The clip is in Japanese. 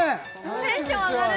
テンション上がる